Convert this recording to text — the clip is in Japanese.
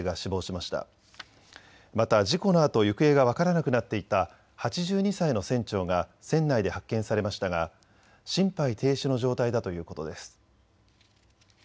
また事故のあと行方が分からなくなっていた８２歳の船長が船内で発見されましたが心肺停止の状態だということです。